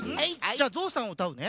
じゃあ「ぞうさん」をうたうね。